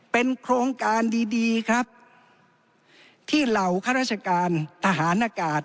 เป็นโครงการดีดีครับที่เหล่าข้าราชการทหารอากาศ